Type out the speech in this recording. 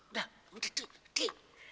udah di di